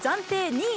２位